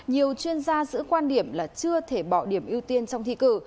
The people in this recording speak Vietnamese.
nhiều chuyên gia giữ quan điểm là chưa thể bỏ điểm ưu tiên trong thi cử